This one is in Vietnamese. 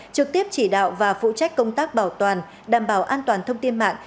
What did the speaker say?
trực tiếp chỉ đạo và phụ trách công tác bảo toàn đảm bảo an toàn thông tin mạng